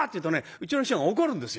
うちの師匠が怒るんですよ。